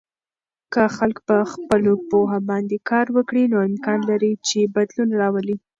که خلک په خپلو پوهه باندې کار وکړي، نو امکان لري چې بدلون راولي.